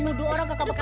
nuduh orang kekebekuan